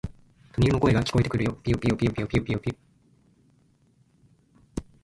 鳥の声が聞こえてくるよ。ぴよぴよ、ぴよぴよ、ぴよぴよよ。